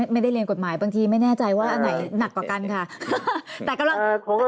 ไม่ได้เรียนกฎหมายบางทีไม่แน่ใจว่าอันไหนหนักกว่ากันค่ะ